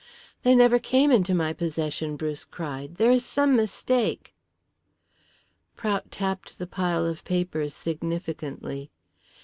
"They never came into my possession," Bruce cried. "There is some mistake " Prout tapped the pile of papers significantly.